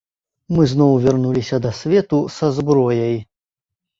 Мы зноў вярнуліся да свету са зброяй.